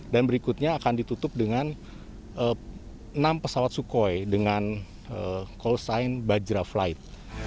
dan berikutnya akan ditutup dengan enam pesawat sukhoi dengan callsign bajra flight